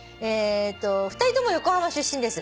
「２人とも横浜出身です」